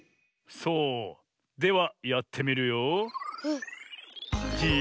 そうではやってみるよ。